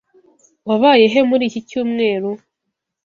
Wabaye he muri iki cyumweru?